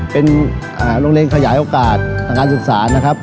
เป็นโรงเรียนขยายโอกาสทางการศึกษานะครับ